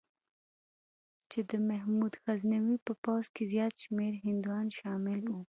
چې د محمود غزنوي په پوځ کې زیات شمېر هندوان شامل وو.